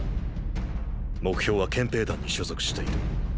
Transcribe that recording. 目標は憲兵団に所属している。